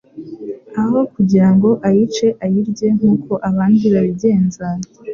aho kugira ngo ayice ayirye nk'uko abandi babigenza